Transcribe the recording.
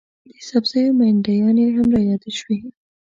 د سبزیو منډیانې هم رایادې شوې.